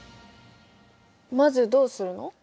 まずどうするの？